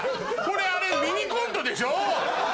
これミニコントでしょ？